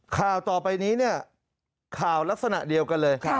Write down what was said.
ข่าวต่อไปนี้เนี่ยข่าวลักษณะเดียวกันเลย